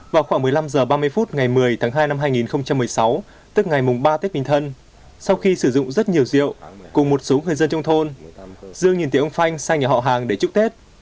vào khoảng một mươi năm h ba mươi phút ngày một mươi tháng hai năm hai nghìn một mươi sáu tức ngày mùng ba tết bình thân sau khi sử dụng rất nhiều rượu cùng một số người dân trong thôn dương nhìn thấy ông phanh sang nhà họ hàng để chúc tết